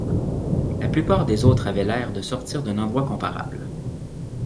La plupart des autres avaient l’air de sortir d’un endroit comparable